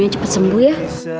sampai sembuh ya